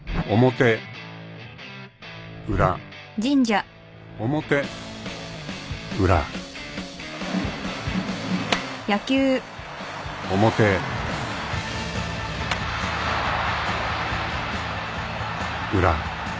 ［表］［裏］［表］［裏］［表］［裏］